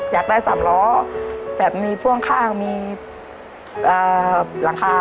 อยากได้สามล้อแบบมีพ่วงข้างมีหลังคา